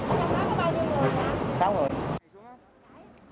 ở trong đó có bao nhiêu người ạ